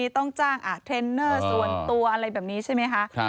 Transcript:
ต้องจ้างเทรนเนอร์ส่วนตัวอะไรแบบนี้ใช่ไหมคะ